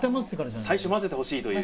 最初混ぜてほしいという。